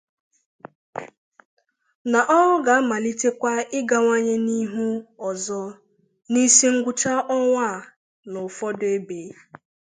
na ọrụ ga-amalitekwa ịgawanye n'ihu ọzọ n'isingwụcha ọnwa a n'ụfọdụ ebe